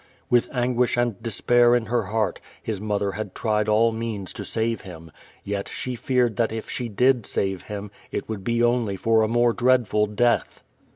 With anguish and despair in her heart, his mother had tried all means to save him. Yet she feared that if she did save him, it would be only for a more dreadful death.